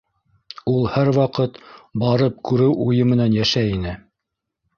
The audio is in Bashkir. Ул һәр ваҡыт барып күреү уйы менән йәшәй ине.